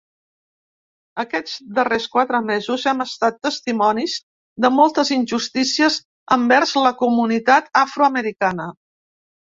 Aquests darrers quatre mesos hem estat testimonis de moltes injustícies envers la comunitat afroamericana.